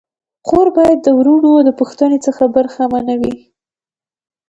خور باید د وروڼو د پوښتني څخه برخه منه وي.